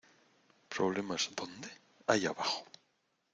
¿ Problemas, dónde? ¡ ahí abajo!